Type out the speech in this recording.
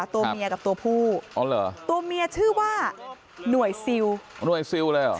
ตัวเมียกับตัวผู้อ๋อเหรอตัวเมียชื่อว่าหน่วยซิลหน่วยซิลเลยเหรอ